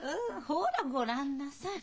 ほらごらんなさい。